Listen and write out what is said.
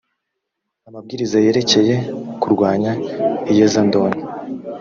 amabwiriza yerekeye kurwanya iyezandonke